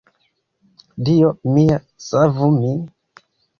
Dio mia, savu min!